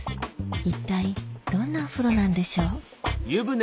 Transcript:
一体どんなお風呂なんでしょう？